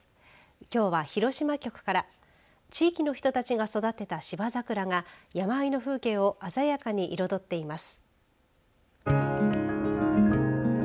きょうは広島局から地域の人たちが育てた芝桜が山あいの風景を鮮やかに彩っています。